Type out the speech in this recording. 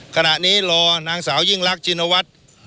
ขนาดนี้รอนางสาวยิ่งรักจิณวัตร